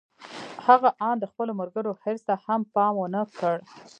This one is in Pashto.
هغه آن د خپلو ملګرو حرص ته هم پام و نه کړ.